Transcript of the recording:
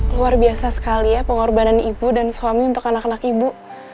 luar biasa sekali ya pengorbanan ibu dan suami untuk anak anak ibu